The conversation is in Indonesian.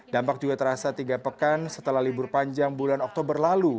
dampak juga terasa tiga pekan setelah libur panjang bulan oktober lalu